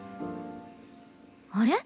あれ？